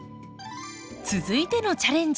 続いてのチャレンジ！